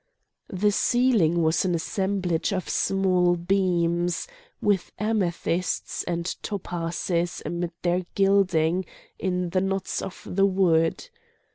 The ceiling was an assemblage of small beams, with amethysts and topazes amid their gilding in the knots of the wood.